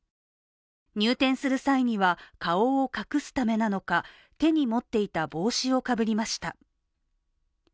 入店する際には、顔を隠すためなのか手に持っていた帽子をかぶりました。